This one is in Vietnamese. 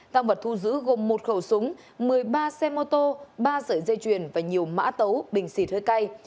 tăng vật thu giữ gồm một khẩu súng một mươi ba xe mô tô ba sợi dây chuyền và nhiều mã tấu bình xịt hơi cay